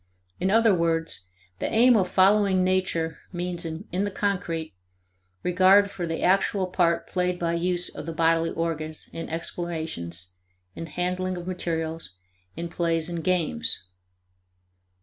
In other words, the aim of following nature means, in the concrete, regard for the actual part played by use of the bodily organs in explorations, in handling of materials, in plays and games.